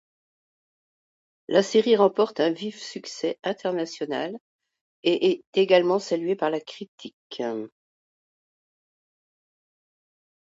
La série remporte un vif succès international et est également saluée par la critique.